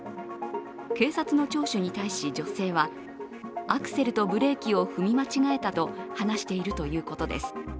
警察の聴取に対し女性は、アクセルとブレーキを踏み間違えたと話しているということです。